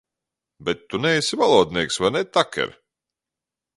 Bet tu neesi valodnieks, vai ne, Taker?